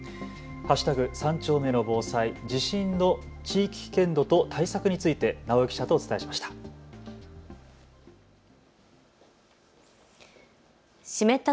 ＃３丁目の防災、地震の地域危険度と対策について直井記者とお伝えしました。